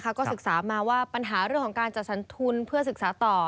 ก็ศึกษามาว่าปัญหาเรื่องของการจัดสรรทุนเพื่อศึกษาต่อ